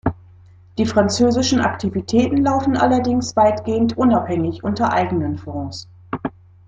Die französischen Aktivitäten laufen allerdings weitgehend unabhängig unter eigenen Fonds.